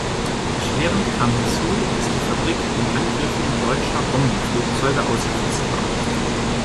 Erschwerend kam hinzu, dass die Fabrik den Angriffen deutscher Bombenflugzeuge ausgesetzt war.